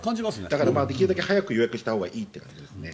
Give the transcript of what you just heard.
だから、できるだけ早く予約したほうがいいですね。